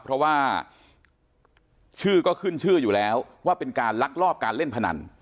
เพราะว่าชื่อก็ขึ้นชื่ออยู่แล้วว่าเป็นการลักลอบการเล่นพนัน